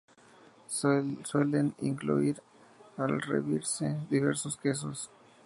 Se suelen incluir al servirse diversos quesos.